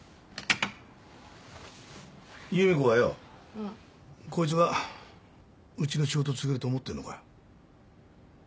弓子はよぉこいつがうちの仕事継げると思ってんのかよ。